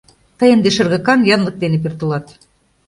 — Тый ынде шергакан янлык дене пӧртылат.